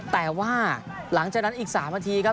แต่ว่าหลังจากนั้นอีก๓นาทีครับ